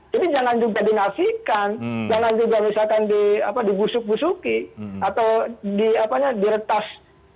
jadi jangan juga dinasihkan jangan juga misalkan dibusuk busuki atau di apanya diretas